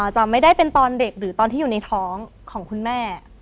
จะไม่ได้เป็นตอนเด็กหรือตอนที่อยู่ในท้องของคุณแม่